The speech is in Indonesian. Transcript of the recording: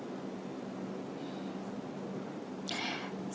ibu putri chandrawati